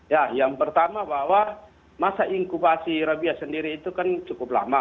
ya yang pertama bahwa masa inkubasi rabies sendiri itu kan cukup lama